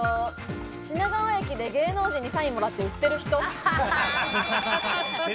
品川駅で芸能人にサインをもらって売っている人。